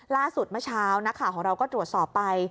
ล่าสุดเมื่อเช้านะคะของเราก็ตรวจสอบไป